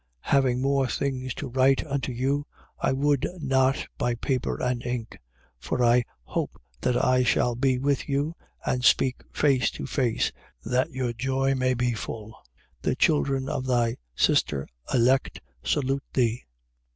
1:12. Having more things to write unto you, I would not by paper and ink: for I hope that I shall be with you and speak face to face, that your joy may be full. 1:13. The children of thy sister Elect salute thee.